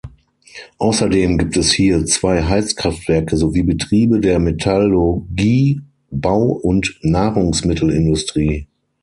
Außerdem gibt es hier zwei Heizkraftwerke sowie Betriebe der Metallurgie, Bau- und Nahrungsmittelindustrie.